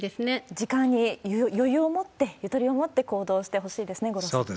時間に余裕を持って、ゆとりを持って行動してほしいですね、五郎さん。